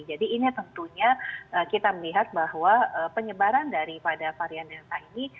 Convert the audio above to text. jadi ini tentunya kita melihat bahwa penyebaran dari pada varian delta ini